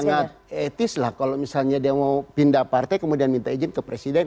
sangat etis lah kalau misalnya dia mau pindah partai kemudian minta izin ke presiden